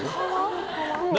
何？